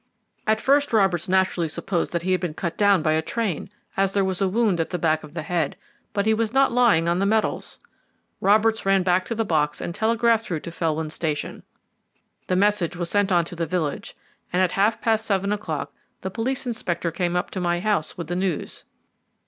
At first Roberts naturally supposed that he had been cut down by a train, as there was a wound at the back of the head; but he was not lying on the metals. Roberts ran back to the box and telegraphed through to Felwyn Station. The message was sent on to the village, and at half past seven o'clock the police inspector came up to my house with the news.